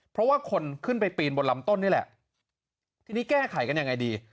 เพราะว่าคนขึ้นไปปีนบนลำต้นนี่แหละทีนี้แก้ไขกันยังไงดี